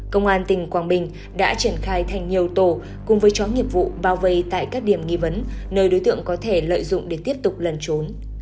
công an tỉnh quảng bình đã triển khai thành nhiều tổ cùng với chó nghiệp vụ bao vây tại các điểm nghi vấn nơi đối tượng có thể lợi dụng để tiếp tục lần trốn